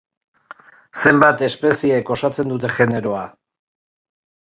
Zenbat espeziek osatzen dute generoa?